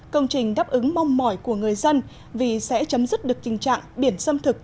công trình đáp ứng mong mỏi của người dân vì sẽ chấm dứt được tình trạng biển xâm thực